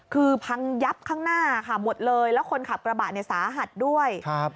คือพังยับข้างหน้าค่ะหมดเลยแล้วคนขับกระบะเนี่ยสาหัสด้วยครับ